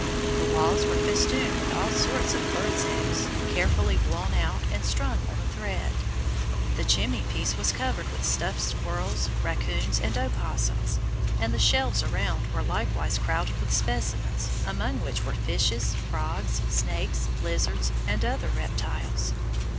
The walls were festooned with all sorts of birds' eggs, carefully blown out and strung on a thread. The chimney piece was covered with stuffed squirrels, raccoons and opossums; and the shelves around were likewise crowded with specimens, among which were fishes, frogs, snakes, lizards, and other reptiles.